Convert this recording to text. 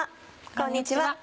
こんにちは。